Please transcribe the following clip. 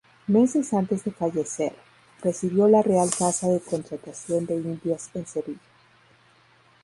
Meses antes de fallecer, presidió la Real Casa de Contratación de Indias en Sevilla.